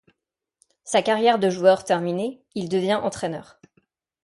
Sa carrière de joueur terminée, il devient entraîneur.